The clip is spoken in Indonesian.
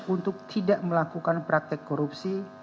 untuk tidak melakukan praktek korupsi